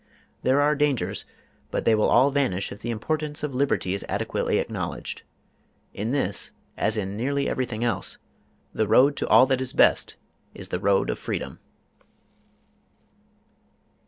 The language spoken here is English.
There are dangers, but they will all vanish if the importance of liberty is adequately acknowledged. In this as in nearly everything else, the road to all that is best is the road of freedom.